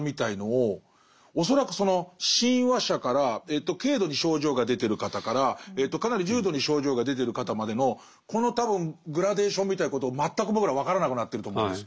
恐らくその親和者から軽度に症状が出てる方からかなり重度に症状が出てる方までのこの多分グラデーションみたいなことを全く僕らは分からなくなってると思うんです。